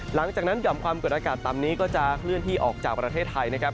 หลังจากนั้นหย่อมความกดอากาศต่ำนี้ก็จะเคลื่อนที่ออกจากประเทศไทยนะครับ